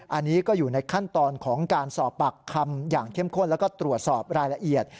อันนี้ก็อยู่ในขั้นตอนของการสอบปากคำอย่างเข้มข้นแล้วก็ตรวจสอบรายละเอียด